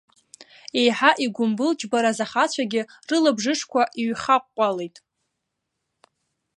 Еиҳа игәымбыл-џьбараз ахацәагьы рылабжышқәа ҩхаҟәҟәалеит.